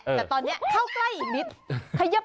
แต่ตอนนี้เข้าใกล้อีกนิด